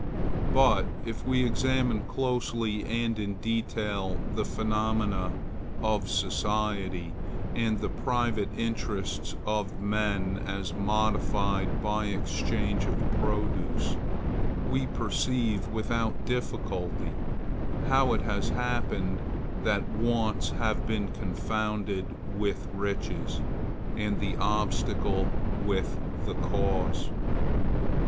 But if we examine closely and in detail the phenomena of society, and the private interests of men as modified by exchange of produce, we perceive, without difficulty, how it has happened that wants have been confounded with riches, and the obstacle with the cause.